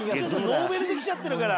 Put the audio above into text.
ノーベルで着ちゃってるから。